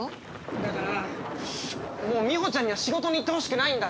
だからもうみほちゃんには仕事に行ってほしくないんだ。